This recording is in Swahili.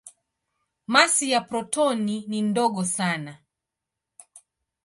Masi ya protoni ni ndogo sana.